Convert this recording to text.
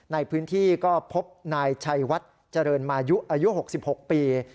ในพื้นที่ก็พบนายชัยวัดเจริญมายุอายุ๖๖ปี